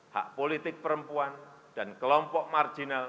hak politik perempuan dan kelompok marginal